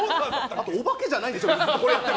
あと、お化けじゃないんですよ。